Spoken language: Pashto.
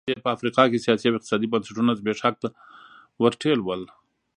دې په افریقا کې سیاسي او اقتصادي بنسټونه زبېښاک ته ورټېل وهل.